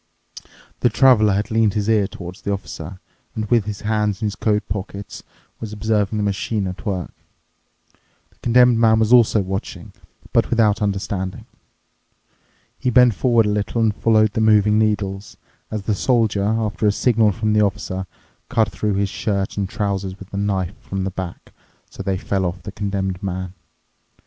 The Traveler had leaned his ear towards the Officer and, with his hands in his coat pockets, was observing the machine at work. The Condemned Man was also watching, but without understanding. He bent forward a little and followed the moving needles, as the Soldier, after a signal from the Officer, cut through his shirt and trousers with a knife from the back, so that they fell off the Condemned Man.